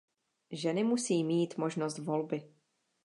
Ženy musí mít možnost volby.